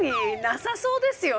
なさそうですよ。